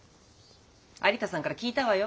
有田さんから聞いたわよ。